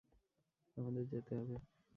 আমাদের যেতে হবে!